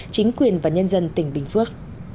chính quyền và nhân dân tỉnh bình phước